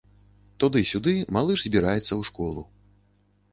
Туды-сюды, малыш збіраецца ў школу.